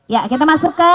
ya kita masuk ke